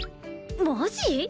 マジ？